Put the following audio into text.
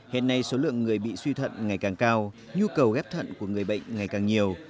hiện nay số lượng người bị suy thận ngày càng cao nhu cầu ghép thận của người bệnh ngày càng nhiều